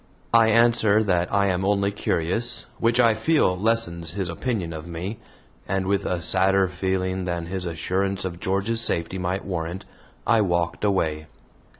I answer that I am only curious, which I feel lessens his opinion of me, and with a sadder feeling than his assurance of George's safety might warrant, I walked away.